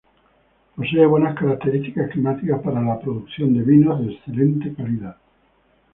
Posee buenas características climáticas para la producción de vinos de excelente calidad.